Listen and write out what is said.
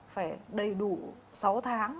phải đầy đủ sáu tháng